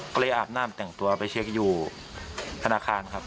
ก็เลยอาบน้ำแต่งตัวไปเช็คอยู่ธนาคารครับ